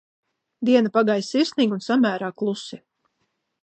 Diena pagāja sirsnīgi un samērā klusi.